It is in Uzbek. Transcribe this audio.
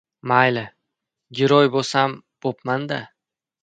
Mayli, giroy bo‘sam bo‘pman-da.